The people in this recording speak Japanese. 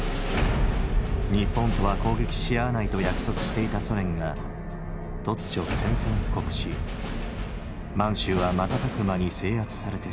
日本とは攻撃し合わないと約束していたソ連が突如宣戦布告し満州は瞬く間に制圧されてしまいました